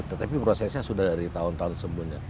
tetapi prosesnya sudah dari tahun tahun sebelumnya